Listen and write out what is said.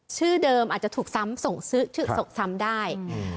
ชื่อเดิมอาจจะถูกซ้ำส่งซื้อชื่อส่งซ้ำได้อืม